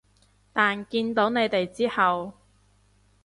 但見到你哋之後